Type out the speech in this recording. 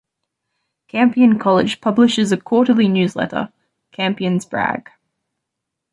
Campion College publishes a quarterly newsletter, "Campion's Brag".